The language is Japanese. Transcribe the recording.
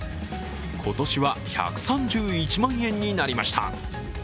今年は１３１万円になりました。